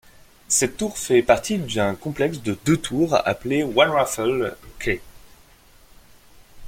Cette tour fait partie d'un complexe de deux tours appelé One Raffles Quay.